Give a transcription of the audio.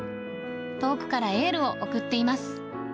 遠くからエールを送っています。